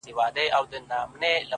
• چي هر څوک د ځان په غم دي,